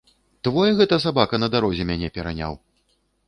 Твой гэта сабака на дарозе мяне пераняў?